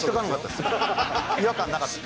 違和感なかった。